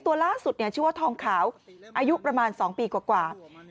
ตัวล่าสุดชื่อว่าทองขาวอายุประมาณ๒ปีกว่า